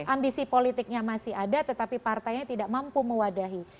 ambisi politiknya masih ada tetapi partainya tidak mampu mewadahi